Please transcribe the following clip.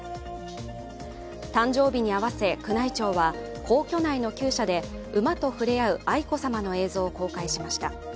誕生日に合わせ、宮内庁は皇居内のきゅう舎で馬と触れ合う愛子さまの映像を公開しました。